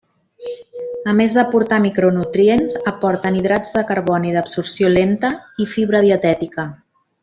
A més d'aportar micronutrients, aporten hidrats de carboni d'absorció lenta i fibra dietètica.